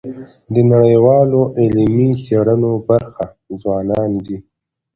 د نړیوالو علمي څيړنو برخه ځوانان دي.